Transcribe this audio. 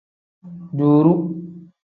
Duuru.